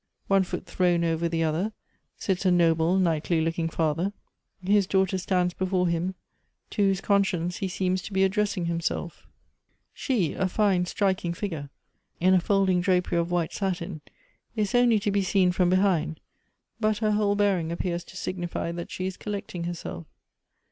One foot thrown over the other, sits a noble knightly looking father ; his daughter stands before him, to whose conscience he seems to be addressing himself She, a fine striking figure, in a folding drapery of white satin, is only to be seen from be hind, but her whole bearing appears to signify that she is collecting herself.